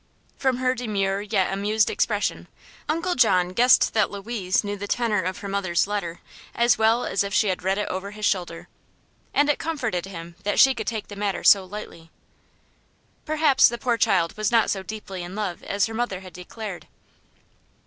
From her demure yet amused expression Uncle John guessed that Louise knew the tenor of her mother's letter as well as if she had read it over his shoulder, and it comforted him that she could take the matter so lightly. Perhaps the poor child was not so deeply in love as her mother had declared.